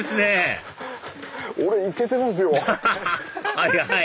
はいはい